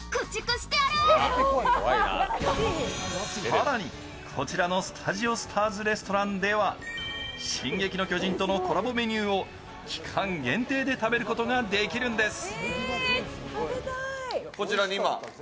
更に、こちらのスタジオ・スターズ・レストランでは、「進撃の巨人」とのコラボメニューを期間限定で食べることができるんです。